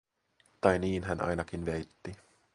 Tai niin hän ainakin väitti.